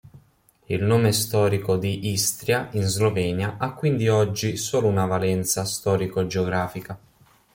Il nome storico di "Istria" in Slovenia ha quindi oggi solo una valenza storico-geografica.